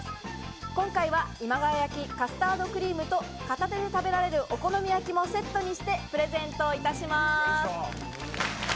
今回は今川焼カスタードクリームと片手で食べられるお好み焼もセットにしてプレゼントいたします。